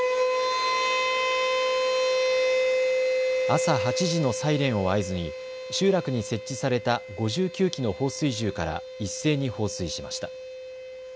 朝８時のサイレンを合図に集落に設置された５９基の放水銃から一斉に放水しました。